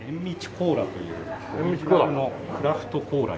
コーラというオリジナルのクラフトコーラになります。